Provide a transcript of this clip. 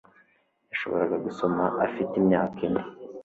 Yashoboraga gusoma afite imyaka ine